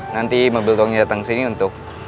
nanti mobil tongnya datang ke sini untuk